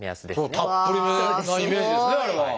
たっぷりめなイメージですねあれは。